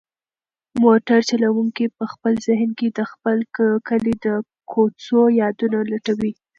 موټر چلونکی په خپل ذهن کې د خپل کلي د کوڅو یادونه لټوي.